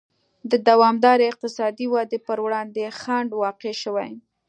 د دوامدارې اقتصادي ودې پر وړاندې خنډ واقع شوی.